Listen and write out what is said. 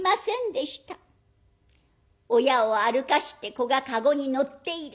親を歩かして子が駕籠に乗っている。